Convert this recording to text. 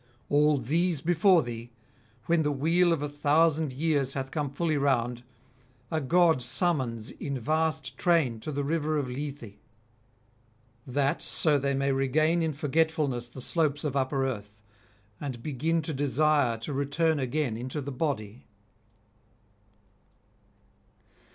All these before thee, when the wheel of a thousand years hath come fully round, a God summons in vast train to the river of Lethe, that so they may regain in forgetfulness the slopes of upper earth, and begin to desire to return again into the body.'